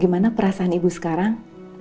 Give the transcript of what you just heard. gimana perasaan ibu sekarang